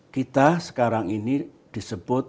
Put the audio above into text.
kita sekarang ini disebut g dua puluh